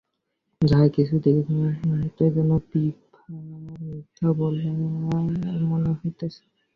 যাহা কিছু দেখিতেছে সমস্তই যেন বিভার মিথ্যা বলিয়া মনে হইতেছে।